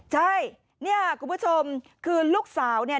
ใช่เนี่ยคุณผู้ชมคือลูกสาวเนี่ย